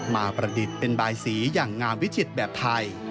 ประดิษฐ์เป็นบายสีอย่างงามวิจิตแบบไทย